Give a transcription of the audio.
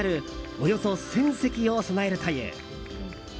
およそ１０００席を備えるという。